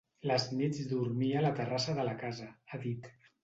Les nits dormia a la terrassa de la casa, ha dit.